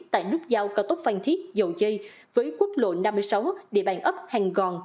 tại nút giao cao tốc phan thiết dầu dây với quốc lộ năm mươi sáu địa bàn ấp hàng gòn